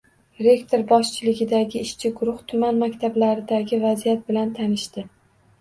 Rektor boshchiligidagi ishchi guruh tuman maktablaridagi vaziyat bilan tanishdi